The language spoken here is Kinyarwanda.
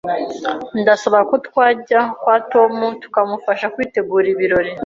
Ndasaba ko twajya kwa Tom tukamufasha kwitegura ibirori.